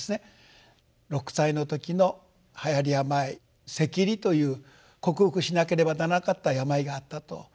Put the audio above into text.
６歳の時のはやり病赤痢という克服しなければならなかった病があったと。